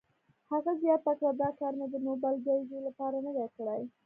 هغه زیاته کړه، دا کار مې د نوبل جایزې لپاره نه دی کړی.